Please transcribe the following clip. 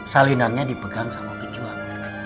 salinannya dipegang sama penjual